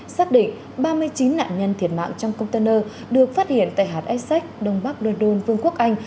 xác định ba mươi chín nạn nhân thiệt mạng trong container được phát hiện tại hạt essex đông bắc london vương quốc anh